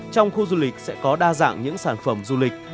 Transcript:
trong khu du lịch sẽ có đa dạng những sản phẩm du lịch